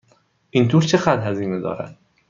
این تور چقدر هزینه دارد؟